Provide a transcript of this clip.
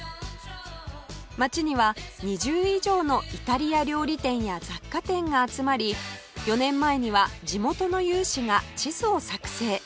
街には２０以上のイタリア料理店や雑貨店が集まり４年前には地元の有志が地図を作成